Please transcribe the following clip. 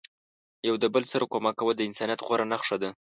یو د بل سره کومک کول د انسانیت غوره نخښه ده.